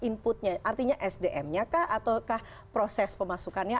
inputnya artinya sdm nya kah ataukah proses pemasukannya